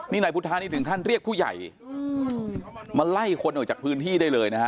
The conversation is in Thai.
นี่นายพุทธานี่ถึงขั้นเรียกผู้ใหญ่มาไล่คนออกจากพื้นที่ได้เลยนะฮะ